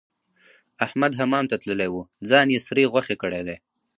احمد حمام ته تللی وو؛ ځان يې سرې غوښې کړی دی.